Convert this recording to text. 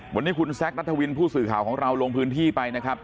วันนี้คุณแซคนัทวินผู้สื่อข่าวของเราลงพื้นที่ไปนะครับ